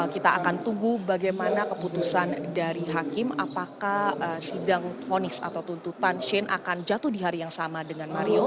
kita akan tunggu bagaimana keputusan dari hakim apakah sidang ponis atau tuntutan shane akan jatuh di hari yang sama dengan mario